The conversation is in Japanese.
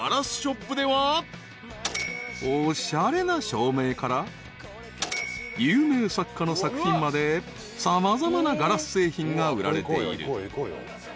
［おしゃれな照明から有名作家の作品まで様々なガラス製品が売られている］